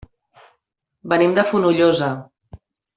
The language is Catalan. Venim de Fonollosa.